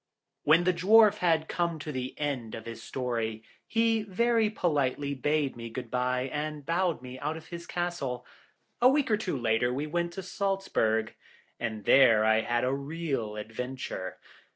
When the Dwarf had come to the end of his story, he very politely bade me goodbye, and bowed me out of his Castle. A week or two later we went to Saltzburg, and there I had a real adventure.